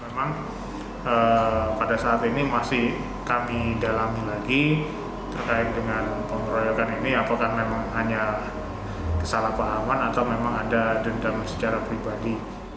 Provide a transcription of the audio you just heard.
memang pada saat ini masih kami dalami lagi terkait dengan pengeroyokan ini apakah memang hanya kesalahpahaman atau memang ada dendam secara pribadi